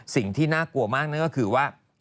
สิ่งที่น่ากลัวมากนั่นก็คือว่า